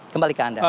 kembali ke anda